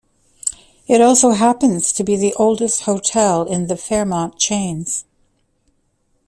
It also happens to be the oldest hotel in the Fairmont chains.